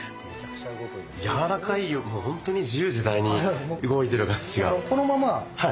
柔らかいよりも本当に自由自在に動いてる感じが。